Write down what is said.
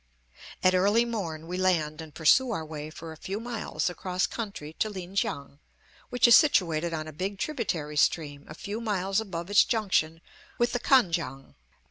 At early morn we land and pursue our way for a few miles across country to Lin kiang, which is situated on a big tributary stream a few miles above its junction with the Kan kiang.